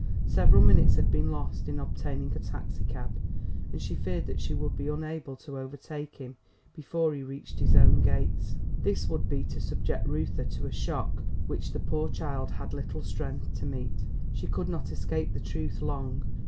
Several minutes had been lost in obtaining a taxicab and she feared that she would be unable to overtake him before he reached his own gates. This would be to subject Reuther to a shock which the poor child had little strength to meet. She could not escape the truth long.